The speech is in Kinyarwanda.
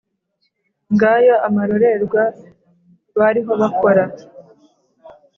Ngayo amarorerwa bariho bakora!